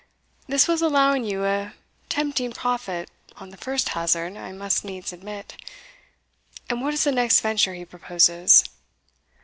This was allowing you a tempting profit on the first hazard, I must needs admit. And what is the next venture he proposes?"